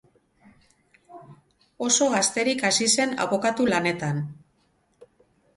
Oso gazterik hasi zen abokatu-lanetan.